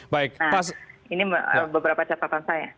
nah ini beberapa catatan saya